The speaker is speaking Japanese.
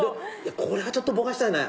これはちょっとぼかしたいな。